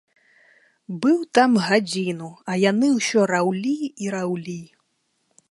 Быў там гадзіну, а яны ўсё раўлі і раўлі.